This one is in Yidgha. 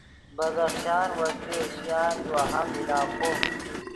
بدخشان وسطی ایشیان یو اہم علاقو